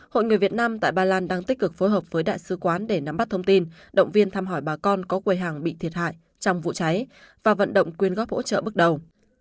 hội người việt nam tại ba lan đang tích cực phối hợp với đại sứ quán để nắm bắt thông tin động viên thăm hỏi bà con có quầy hàng bị thiệt hại trong vụ cháy và vận động quyên góp hỗ trợ bước đầu